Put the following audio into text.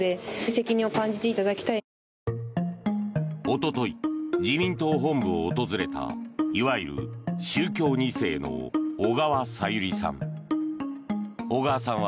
一昨日自民党本部を訪れたいわゆる宗教２世の小川さゆりさん。